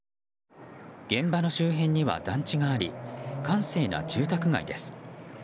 現場の周辺には団地があり閑静な住宅街です。